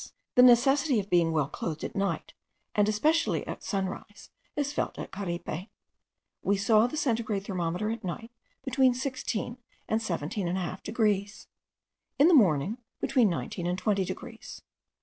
The necessity of being well clothed at night, and especially at sunrise, is felt at Caripe. We saw the centigrade thermometer at midnight, between 16 and 17.5 degrees; in the morning, between 19 and 20 degrees.